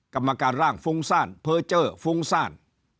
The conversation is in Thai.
กรรมการร่างฟุ้งซ่านเพอร์เจอร์ฟุ้งซ่าน